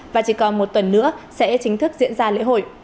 và chỉ còn một tuần nữa sẽ chính thức diễn ra lễ hội